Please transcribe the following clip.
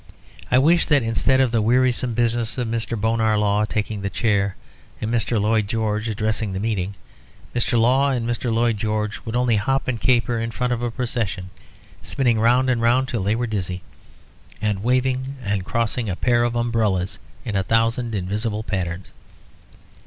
I wish that instead of the wearisome business of Mr. Bonar Law taking the chair, and Mr. Lloyd George addressing the meeting, Mr. Law and Mr. Lloyd George would only hop and caper in front of a procession, spinning round and round till they were dizzy, and waving and crossing a pair of umbrellas in a thousand invisible patterns.